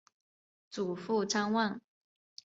祖父张旺。